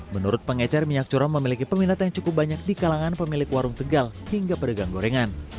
menurut pengecer minyak curah memiliki peminat yang cukup banyak di kalangan pemilik warung tegal hingga pedagang gorengan